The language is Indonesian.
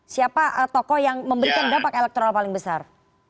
siapa tokoh yang memberikan dampak elektoral paling besar